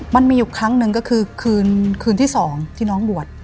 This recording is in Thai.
มันมีอยู่ครั้งหนึ่งก็คือคืนที่๒ที่น้องบวช